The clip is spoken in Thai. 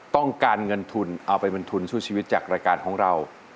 ต้องการเงินทุนเอาไปเป็นทุนสู้ชีวิตจากรายการของเรา